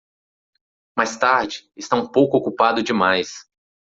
Mais tarde, está um pouco ocupado demais.